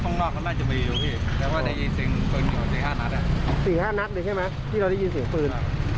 ๔๕นักเลยใช่ไหมที่เราได้ยินเสียงฟืน